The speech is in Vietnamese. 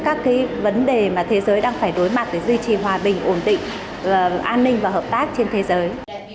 các vấn đề mà thế giới đang phải đối mặt để duy trì hòa bình ổn định an ninh và hợp tác trên thế giới